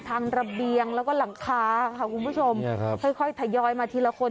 ระเบียงแล้วก็หลังคาค่ะคุณผู้ชมค่อยค่อยทยอยมาทีละคน